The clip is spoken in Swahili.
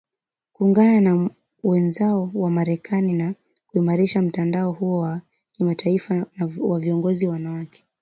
kuungana na wenzao wa Marekani na kuimarisha mtandao huo wa kimataifa wa viongozi wanawake